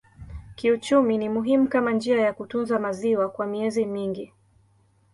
Kiuchumi ni muhimu kama njia ya kutunza maziwa kwa miezi mingi.